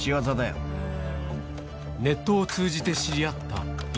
ネットを通じて知り合った一